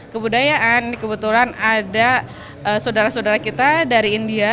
kebudayaan kebetulan ada saudara saudara kita dari india